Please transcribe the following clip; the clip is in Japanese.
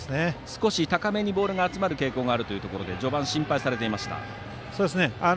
少し高めにボールが集まる傾向があるということで序盤、心配されていました。